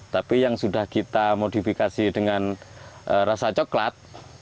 tapi yang sudah kita modifikasi dengan rasa coklat